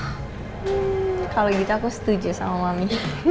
kalau gitu aku setuju sama mami